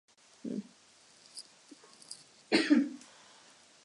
Kvůli zranění se nemohl zúčastnit mistrovství Evropy pořádané Švýcarskem a Rakouskem.